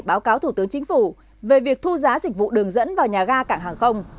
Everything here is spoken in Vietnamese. báo cáo thủ tướng chính phủ về việc thu giá dịch vụ đường dẫn vào nhà ga cảng hàng không